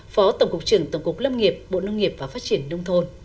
phó tổng cục trưởng tổng cục lâm nghiệp bộ nông nghiệp và phát triển nông thôn